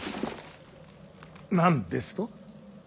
何ですと。